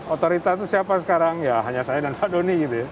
otorita itu siapa sekarang ya hanya saya dan pak doni gitu ya